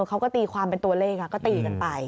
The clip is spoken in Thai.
เขาก็ตีความเป็นตัวเลขก็ตีกันไป